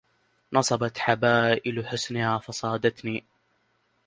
نصبت حبائل حسنها فاصطدنني